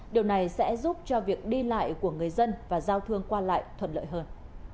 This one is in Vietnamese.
điều này sẽ giúp cho việc đi lại của người dân và giao thương qua lại thuận lợi hơn